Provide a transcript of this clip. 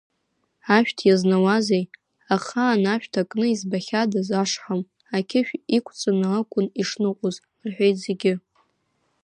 Ашәҭ иазнауазеи, ахаан ашәҭ акны избахьадаз ашҳам ақьышә иқәҵаны акәын ишныҟәоз, — рҳәеит зегьы.